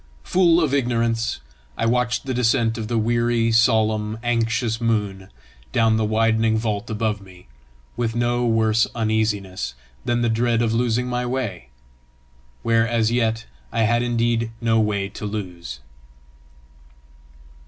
Fool of ignorance, I watched the descent of the weary, solemn, anxious moon down the widening vault above me, with no worse uneasiness than the dread of losing my way where as yet I had indeed no way to lose.